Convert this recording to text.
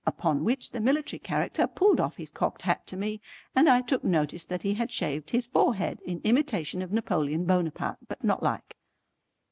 Upon which the military character pulled off his cocked hat to me, and I took notice that he had shaved his forehead in imitation of Napoleon Bonaparte but not like.